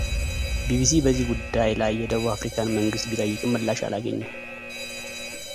ቢቢሲ በዚህ ጉዳይ ላይ የደቡብ አፍሪካን መንግሥት ቢጠይቅም ምላሽ አላገኘም።